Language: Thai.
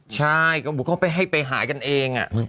ใช่ก็หมุดข้อมูลให้ไปหายกันเอง